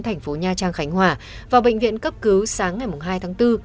thành phố nha trang khánh hòa vào bệnh viện cấp cứu sáng ngày hai tháng bốn